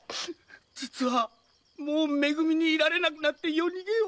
実はもうめ組に居られなくなって夜逃げを。